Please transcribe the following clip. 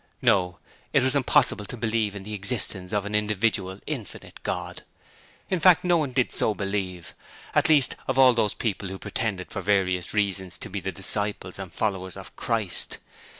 No; it was impossible to believe in the existence of an individual, infinite God.. In fact, no one did so believe; and least of all those who pretended for various reasons to be the disciples and followers of Christ.